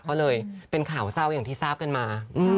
ก็เลยเป็นข่าวเศร้าอย่างที่ทราบกันมา